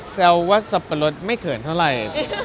แซวว่าสับปะรดไม่เขินเท่าไหร่